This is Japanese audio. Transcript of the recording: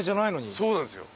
そうなんすよ。